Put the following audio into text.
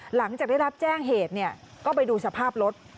หลังจากได้รับแจ้งเหตุก็ไปดูสภาพรถ